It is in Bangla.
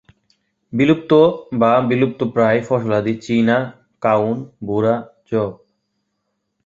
বিলুপ্ত বা বিলুপ্তপ্রায় ফসলাদি চিনা, কাউন, ভুরা, যব।